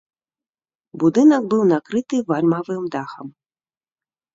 Будынак быў накрыты вальмавым дахам.